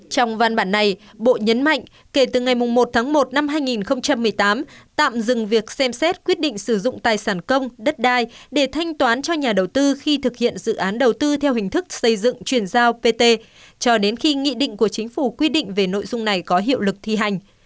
trong văn bản này bộ nhấn mạnh kể từ ngày một tháng một năm hai nghìn một mươi tám tạm dừng việc xem xét quyết định sử dụng tài sản công đất đai để thanh toán cho nhà đầu tư khi thực hiện dự án đầu tư theo hình thức xây dựng chuyển giao pt cho đến khi nghị định của chính phủ quy định về nội dung này có hiệu lực thi hành